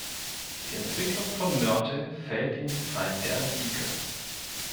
Die Entwicklung von Mörtel fällt in die Zeit der Antike.